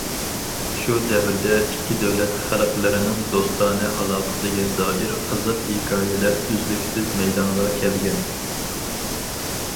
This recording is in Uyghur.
شۇ دەۋردە، ئىككى دۆلەت خەلقلىرىنىڭ دوستانە ئالاقىسىگە دائىر قىزىق ھېكايىلەر ئۈزلۈكسىز مەيدانغا كەلگەن.